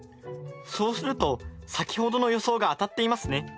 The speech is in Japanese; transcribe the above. そうすると先ほどの予想が当たっていますね。